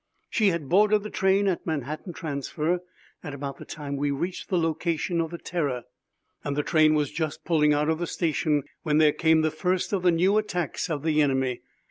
She had boarded the train at Manhattan Transfer at about the time we reached the location of the Terror and the train was just pulling out of the station when there came the first of the new attacks of the enemy.